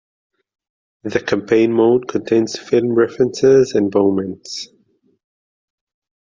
The Campaign mode contains film references and moments.